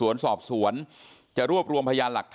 อันนี้แม่งอียางเนี่ย